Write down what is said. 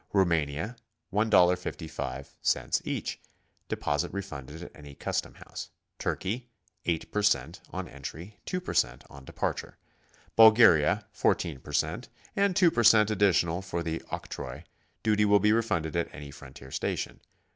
Roumania, $1.55 each, deposit refunded at any custom house. Turkey, 8 per cent, on entry, 2 per cent, on departure. Bulgaria, 14 per cent, and 2 per cent additional for the octroi; duty will be refunded at any frontier station.